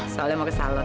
soalnya mau ke salon